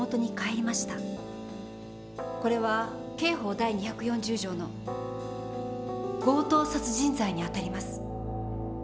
これは刑法第２４０条の強盗殺人罪にあたります。